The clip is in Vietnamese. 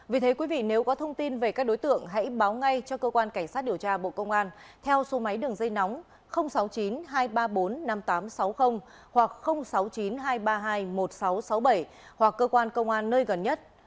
vì thế quý vị nếu có thông tin về các đối tượng hãy báo ngay cho cơ quan cảnh sát điều tra bộ công an theo số máy đường dây nóng sáu mươi chín hai trăm ba mươi bốn năm nghìn tám trăm sáu mươi hoặc sáu mươi chín hai trăm ba mươi hai một nghìn sáu trăm sáu mươi bảy hoặc cơ quan công an nơi gần nhất